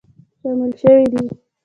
شامل شوي دي